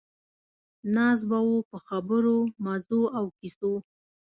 ناست به وو په خبرو، مزو او کیسو.